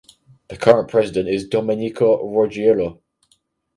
The current President is Domenico Ruggiero.